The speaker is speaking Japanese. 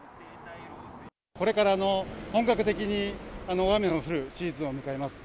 これからの本格的に大雨の降るシーズンを迎えます。